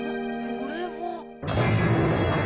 これは。